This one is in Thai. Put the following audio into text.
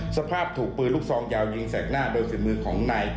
สภาพถูกปืนลูกซองยาวยิงใส่หน้าโดยฝีมือของนาย